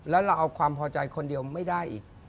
แล้วเราเอาความพอใจคนเดียวไม่ได้อีก